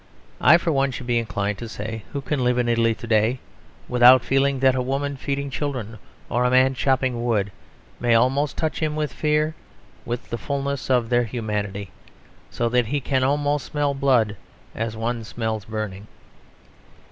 I for one should be inclined to say, "Who can live in Italy to day without feeling that a woman feeding children, or a man chopping wood, may almost touch him with fear with the fulness of their humanity: so that he can almost smell blood, as one smells burning?"